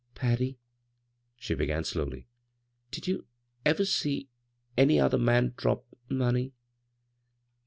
" Patty," she began slowly, " did you ever see — any other man drop — mcmey